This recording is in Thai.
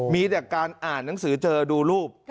มีแต่การอ่านหนังสือเจอดูรูป